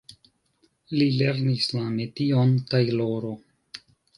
Li lernis la metion tajloro.